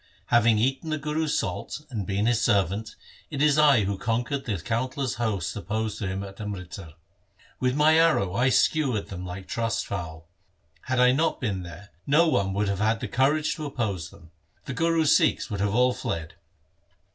Having eaten the Guru's salt and been his servant, it is I who conquered the countless hosts opposed to him at Amritsar. With my arrow I skewered them like trussed fowl. Had I not been there, no one would have had the courage to oppose them The Guru's Sikhs would have all fled.'